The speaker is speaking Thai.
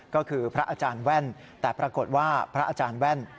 ก็คือพระอาจารย์แว่นแต่ปรากฏว่าพระอาจารย์แว่น